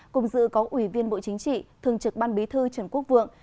cùng dự có ủy viên bộ chính trị thường trực ban bí thư trần quốc vượng